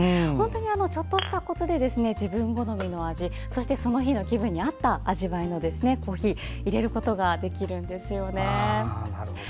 本当にちょっとしたコツで自分好みの味その日の気分に合った味わいのコーヒーをいれることができるんですよね。